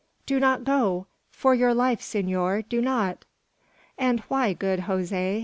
"Do not go; for your life, senor, do not!" "And why, good Jose?"